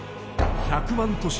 １００万都市